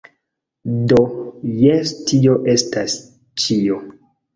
Do, jes tio estas ĉio